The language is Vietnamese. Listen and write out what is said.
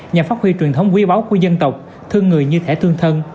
nhà phát huy truyền thống quý báu của dân tộc thương người như thể thương thân